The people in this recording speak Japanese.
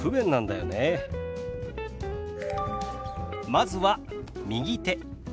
まずは「右手」。